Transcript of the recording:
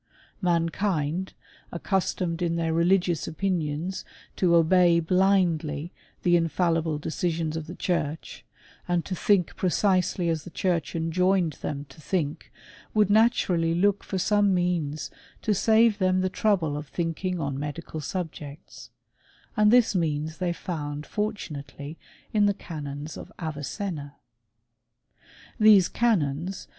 Mankind, accustomed in their religious opinions to obey blindly the infallible de cisions of the church, and to think precisely as the church enjoined them to think, would naturally look for some means to save them the trouble of thinking on medical subjects ; and this means they found for tunately in the canons of Avicenna* These e^xiQii*a| 136 HISTORY OF CUEMISTRT.